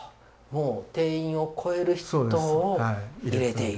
もう定員を超える人を入れている。